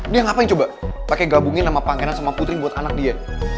dia ngapain coba pakai gabungin sama pangeran sama putri buat anak dia